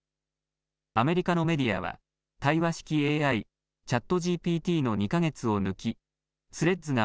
アメリカのメディアは対話式ＡＩ、ＣｈａｔＧＰＴの２か月を抜きスレッズが